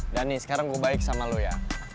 dan nih sekarang gue baik sama lu ya